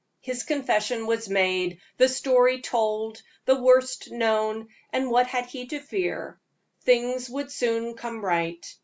His confession was made, the story told, the worst known, and what had he to fear? Things would soon come right.